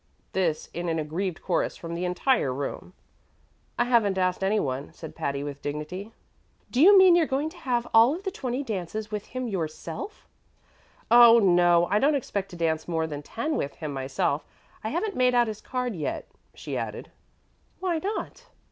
This in an aggrieved chorus from the entire room. "I haven't asked any one," said Patty, with dignity. "Do you mean you're going to have all of the twenty dances with him yourself?" "Oh, no; I don't expect to dance more than ten with him myself I haven't made out his card yet," she added. "Why not?"